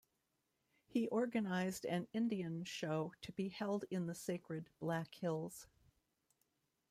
He organized an Indian show to be held in the sacred Black Hills.